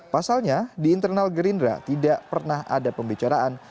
pasalnya di internal gerindra tidak pernah ada pembicaraan